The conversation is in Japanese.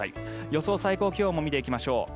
予想最高気温も見ていきましょう。